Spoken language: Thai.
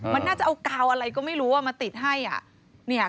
มันน่าจะเอากาวอะไรก็ไม่รู้มาติดให้